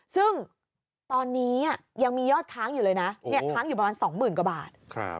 ซึ่งตอนนี้ยังมียอดค้างอยู่เลยนะค้างอยู่ประมาณ๒๐๐๐กว่าบาท